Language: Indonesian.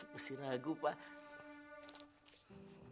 masih ragu pak